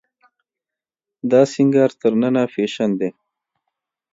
دا سينګار تر ننه فېشن دی.